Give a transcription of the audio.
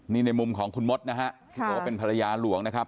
นี่ในมุมของคุณมดนะฮะที่บอกว่าเป็นภรรยาหลวงนะครับ